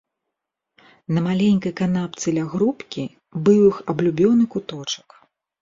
На маленькай канапцы ля грубкі быў іх аблюбёны куточак.